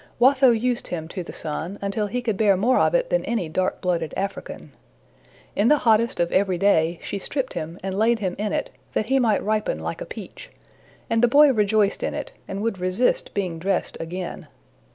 Watho used him to the sun, until he could bear more of it than any dark blooded African. In the hottest of every day, she stripped him and laid him in it, that he might ripen like a peach; and the boy rejoiced in it, and would resist being dressed again.